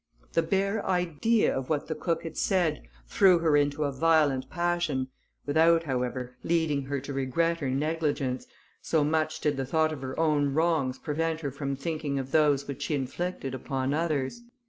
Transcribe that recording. The bare idea of what the cook had said, threw her into a violent passion, without, however, leading her to regret her negligence, so much did the thought of her own wrongs prevent her from thinking of those which she inflicted upon others.